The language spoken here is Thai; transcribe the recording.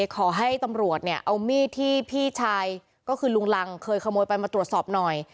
ขอให้ตำรวจเนี่ยเอามีดที่พี่ชายก็คือลุงรังเคยขโมยไปมาตรวจสอบหน่อย